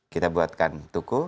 kita buatkan tuku